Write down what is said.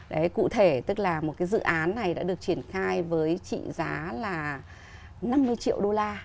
đấy cụ thể tức là một cái dự án này đã được triển khai với trị giá là năm mươi triệu đô la